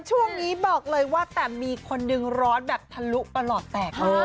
ช่วงนี้บอกเลยว่าแต่มีคนหนึ่งร้อนแบบทะลุประหลอดแตก